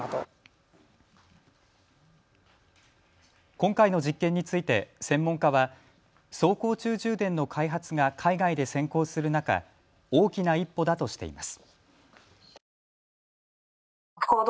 今回の実験について専門家は走行中充電の開発が海外で先行する中、大きな一歩だとしています。